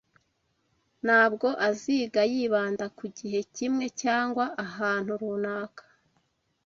Ntabwo aziga yibanda ku gihe kimwe cyangwa ahantu runaka.